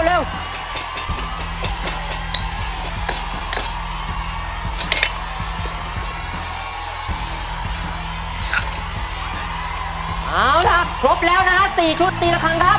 เอาล่ะครบแล้วนะฮะ๔ชุดตีละครั้งครับ